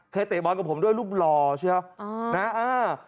เคยเตะบอลกับผมด้วยรูปรอใช่ครับ